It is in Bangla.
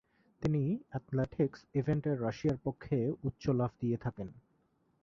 তিনি অ্যাথলেটিক্স ইভেন্টে রাশিয়ার পক্ষে উচ্চ লাফ দিয়ে থাকেন।